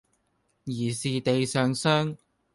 疑是地上霜